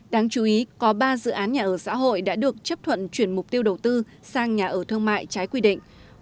đáng chú ý có ba dự án nhà ở xã hội đã được chấp thuận chuyển mục tiêu đầu tư sang nhà ở thương mại trái quy định